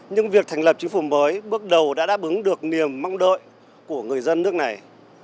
nhưng việc thành lập chính phủ mới bước đầu đã đáp ứng được niềm mong đợi của người dân nước này